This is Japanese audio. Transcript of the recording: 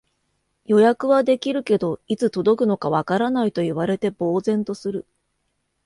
予約はできるけど、いつ届くのかわからないと言われて呆然とする